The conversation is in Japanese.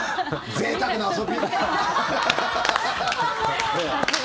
ぜいたくな遊び。